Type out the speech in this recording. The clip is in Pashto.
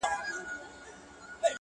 په تا هيـــــڅ خــــبر نـــه يــــم!